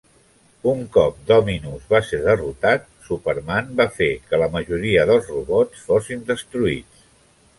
Un cop Dominus va ser derrotat, Superman va fer que la majoria dels robots fossin destruïts.